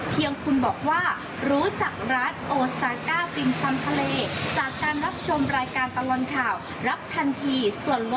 เพียงคุณบอกว่ารู้จักร้านโอซาก้าติมซัมทะเล